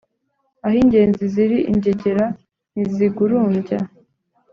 Aho ingenzi ziri ingegera ntizigurumbya